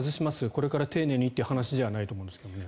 これから丁寧にという話じゃないと思うんですが。